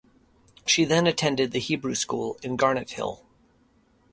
She then attended the Hebrew School in Garnethill.